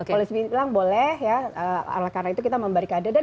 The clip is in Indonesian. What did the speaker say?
polisi bilang boleh karena itu kita memberikan keadaan